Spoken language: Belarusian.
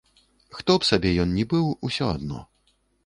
Хто б сабе ён ні быў, усё адно.